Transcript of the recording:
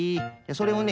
それをね